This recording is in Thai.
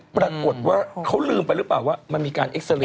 ปรากฏว่าเขาลืมไปหรือเปล่าว่ามันมีการเอ็กซาเรย